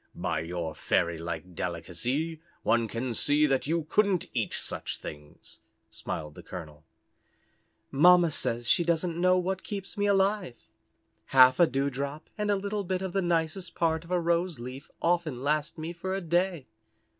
"By your fairy like delicacy one can see that you couldn't eat such things," smiled the colonel. "Mamma says she doesn't know what keeps me alive. Half a dewdrop and a little bit of the nicest part of a rose leaf often lasts me for a day.